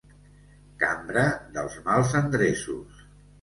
Cambra dels mals endreços.